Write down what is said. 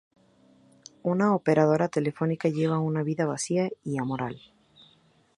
Una operadora telefónica lleva una vida vacía y amoral.